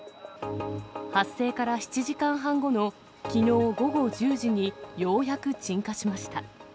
発生から７時間半後のきのう午後１０時に、ようやく鎮火しました。